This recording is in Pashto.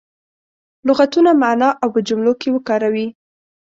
لغتونه معنا او په جملو کې وکاروي.